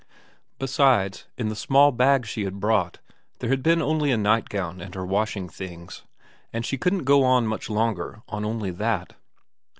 Besides, in the small bag she brought there had only been a nightgown and her washing things, and she couldn't go on much longer on only that.